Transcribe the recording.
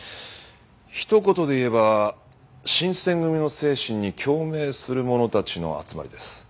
ひと言で言えば新選組の精神に共鳴する者たちの集まりです。